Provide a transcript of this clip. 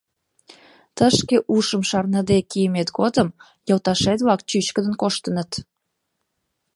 — Тышке ушым шарныде кийымет годым йолташет-влак чӱчкыдын коштыныт.